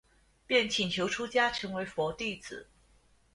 便请求出家成为佛弟子。